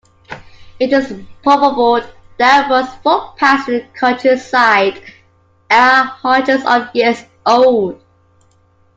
It is probable that most footpaths in the countryside are hundreds of years old.